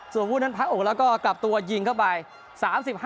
ส่วนคู่นั้นพักอกแล้วก็กลับตัวยิงเข้าไป